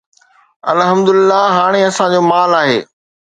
الحمدلله هاڻي اسان جو مال آهي